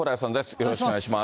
よろしくお願いします。